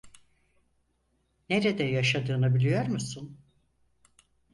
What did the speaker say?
Nerede yaşadığını biliyor musun?